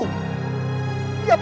dia pasti silman ular